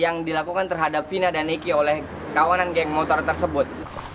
yang dilakukan terhadap vina dan niki oleh kawanan geng motor tersebut